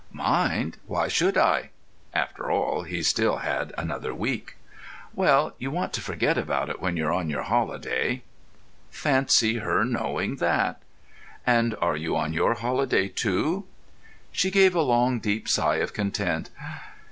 "Mind? Why should I?" (After all, he still had another week.) "Well, you want to forget about it when you're on your holiday." Fancy her knowing that. "And are you on your holiday too?" She gave a long deep sigh of content.